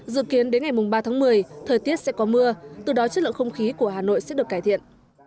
dự kiến đến ngày ba tháng một mươi thời tiết sẽ có mưa từ đó chất lượng không khí của hà nội sẽ được cải thiện